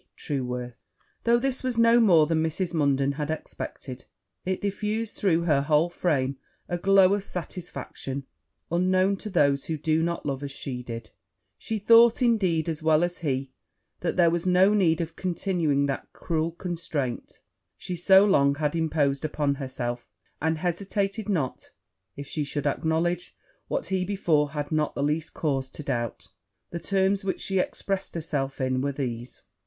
TRUEWORTH.' Though this was no more than Mrs. Munden had expected, it diffused through her whole frame a glow of satisfaction unknown to those who do not love as she did: she thought, indeed, as well as he, that there was no need of continuing that cruel constraint she so long had imposed upon herself; and hesitated not if she should acknowledge what he before had not the least cause to doubt. The terms in which she expressed herself were these.